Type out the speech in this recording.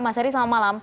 mas heri selamat malam